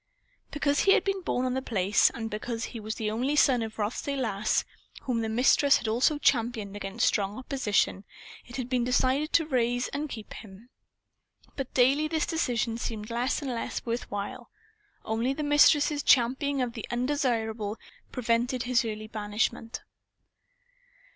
Because he had been born on The Place, and because he was the only son of Rothsay Lass, whom the Mistress had also championed against strong opposition, it had been decided to keep and raise him. But daily this decision seemed less and less worth while. Only the Mistress's championing of the Undesirable prevented his early banishment.